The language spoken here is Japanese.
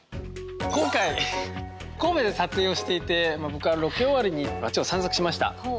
今回神戸で撮影をしていて僕はロケ終わりに散策しました。